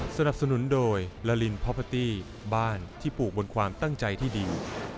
สนับสนุนโดยลาลินพอพาตี้บ้านที่ปลูกบนความตั้งใจที่ดี